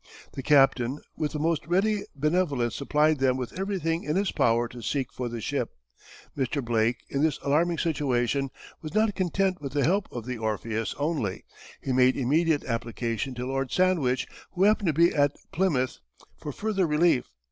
The captain with the most ready benevolence supplied them with everything in his power to seek for the ship. Mr. Blake, in this alarming situation was not content with the help of the Orpheus only; he made immediate application to Lord Sandwich (who happened to be at Plymouth) for further relief.